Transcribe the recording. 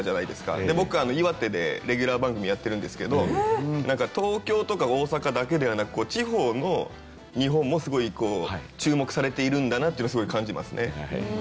僕岩手でレギュラー番組やってるんですけど東京とか大阪だけではなく地方の日本もすごい注目されているんだなっていうのを感じますね。